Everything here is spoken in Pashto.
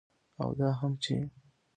او دا هم چې